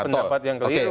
itu pendapat yang keliru